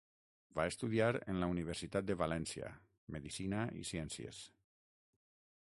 Va estudiar en la Universitat de València, Medicina i Ciències.